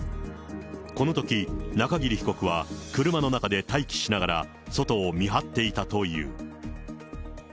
このとき、中桐被告は車の中で待機しながら、外を見張っていたという。